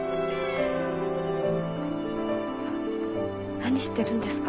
何してるんですか？